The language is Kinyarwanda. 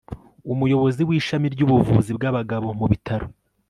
umuyobozi w'ishami ry'ubuvuzi bw'abagabo mu bitaro